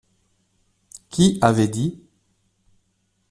Qui avait dit ?